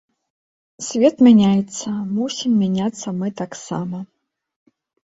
Свет мяняецца, мусім мяняцца мы таксама.